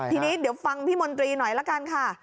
ทีนี้เดี๋ยวฟังพี่มนตรีหน่อยละกันค่ะ